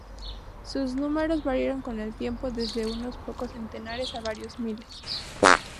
Sus números variaron con el tiempo, desde unos pocos centenares a varios miles.